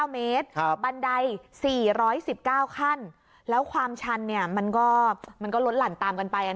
๙เมตรบันได๔๑๙ขั้นแล้วความชันมันก็ลดหลั่นตามกันไป